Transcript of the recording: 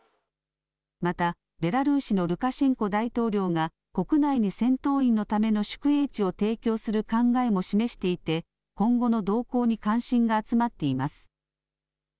また、ベラルーシのルカシェンコ大統領が国内に戦闘員のための宿営地を提供する考えも示していて、今後の動向に関心が集まっています。